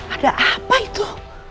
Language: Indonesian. ada apa itu